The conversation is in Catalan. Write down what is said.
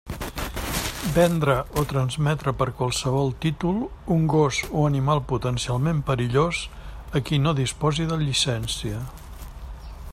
Vendre o transmetre per qualsevol títol un gos o animal potencialment perillós a qui no disposi de llicència.